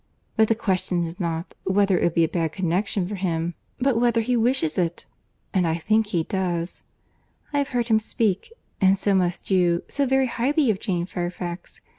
But the question is not, whether it would be a bad connexion for him, but whether he wishes it; and I think he does. I have heard him speak, and so must you, so very highly of Jane Fairfax!